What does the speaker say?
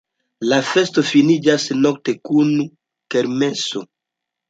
La festo finiĝas nokte kun kermeso.